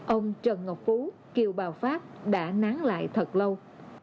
ông trần ngọc phú kiều bào pháp đã nán lại thỏa thuận